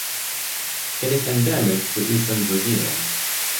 It is endemic to eastern Brazil.